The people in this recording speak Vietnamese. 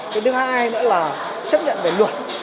thứ hai nữa là chấp nhận về luật